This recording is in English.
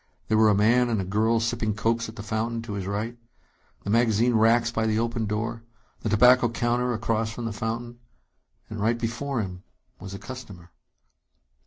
There were a man and a girl sipping cokes at the fountain, to his right; the magazine racks by the open door; the tobacco counter across from the fountain. And right before him was a customer.